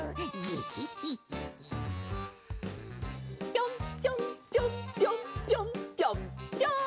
ぴょんぴょんぴょんぴょんぴょんぴょんぴょん！